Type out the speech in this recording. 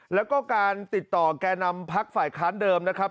แล้วก็การติดต่อแก่นำพักฝ่ายค้านเดิมนะครับ